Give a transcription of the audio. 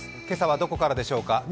今朝はどこからでしょうか。